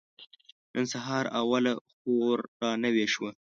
نن سهار اوله خور را نوې شوه.